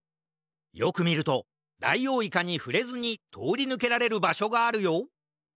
よくみるとダイオウイカにふれずにとおりぬけられるばしょがあるよ！